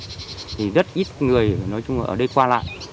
thì rất ít người nói chung ở đây qua lại